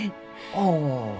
ああ。